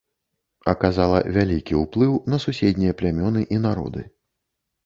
Аказала вялікі ўплыў на суседнія плямёны і народы.